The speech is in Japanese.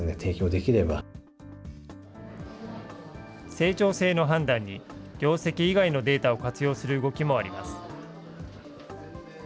成長性の判断に、業績以外のデータを活用する動きもあります。